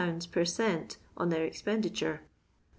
per oent on their expenditure.